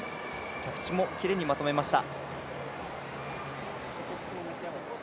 着地もきれいにまとめました。